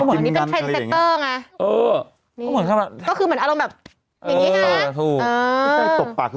ถู๊มหิวตบปากคือตบปาก